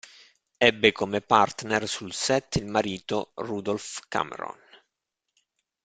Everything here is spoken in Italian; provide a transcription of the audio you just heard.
Ebbe come partner sul set il marito, Rudolph Cameron.